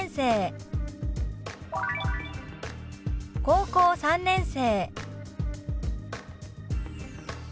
「高校３年生」。